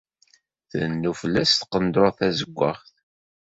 Trennu fell-as tqendurt tazewwaɣt.